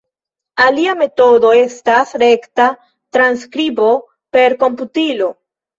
Alia metodo estas rekta transskribo per komputilo.